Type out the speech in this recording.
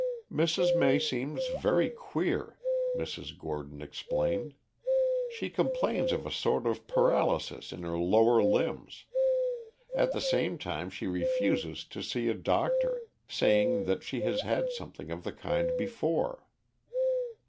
"Mrs. May seems very queer," Mrs. Gordon explained. "She complains of a sort of paralysis in her lower limbs. At the same time she refuses to see a doctor, saying that she has had something of the kind before."